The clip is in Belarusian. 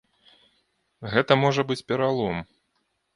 Гэта можа быць пералом.